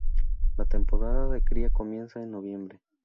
La temporada de cría comienza en noviembre.